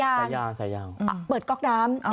สายยางเปิดก๊อกน้ำ